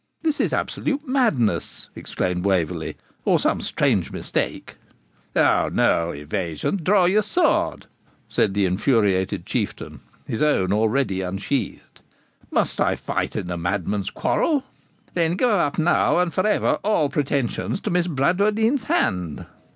'This is absolute madness,' exclaimed Waverley, 'or some strange mistake!' 'O! no evasion! draw your sword!' said the infuriated Chieftain, his own already unsheathed. 'Must I fight in a madman's quarrel?' 'Then give up now, and forever, all pretensions to Miss Bradwardine's hand.'